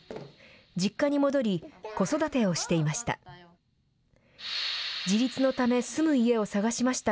実家に戻り、子育てをしていました。